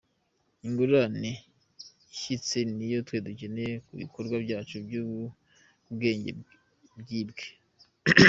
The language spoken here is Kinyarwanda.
Ingurane ishyitse niyo twe dukeneye ku bw’ibikorwa byacu by’ubwenge byibwe.